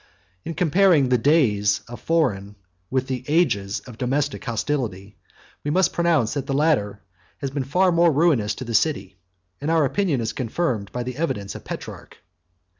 47 In comparing the days of foreign, with the ages of domestic, hostility, we must pronounce, that the latter have been far more ruinous to the city; and our opinion is confirmed by the evidence of Petrarch.